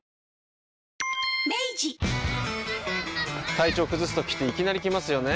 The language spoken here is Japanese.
体調崩すときっていきなり来ますよね。